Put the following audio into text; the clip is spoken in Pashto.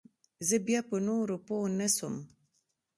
زه بيا په نورو پوه نسوم.